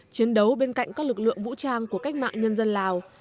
chiến đấu bên cạnh các lực lượng vũ trang của cách mạng nhân dân lào